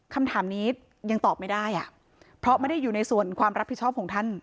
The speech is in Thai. คำถามนี้ยังตอบไม่ได้อ่ะเพราะไม่ได้อยู่ในส่วนความรับผิดชอบของท่าน